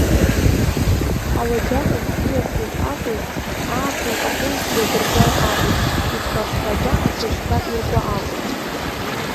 Ауаџьаҟ ахь ииасыз акәыз, ааԥын аҟәынџь иадыркуа акәыз, ихха-ххаӡа ацәашьқәа иркуа акәыз.